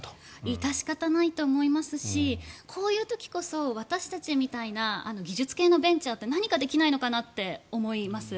致し方ないと思いますしこういう時こそ、私たちみたいな技術系のベンチャーって何かできないのかなって思います。